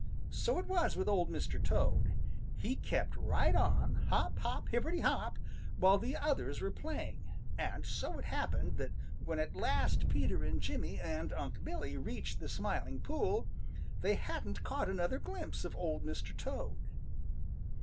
So it was with Old Mr. Toad. He kept right on, hop, hop, hipperty hop, while the others were playing, and so it happened that when at last Peter and Jimmy and Unc' Billy reached the Smiling Pool, they hadn't caught another glimpse of Old Mr. Toad.